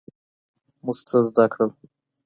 موږ څه زده کړل؟